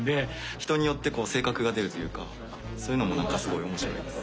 人によって性格が出るというかそういうのもなんかすごい面白いです。